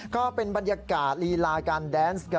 ก็เป็นบรรยากาศลีลาการแดนส์กัน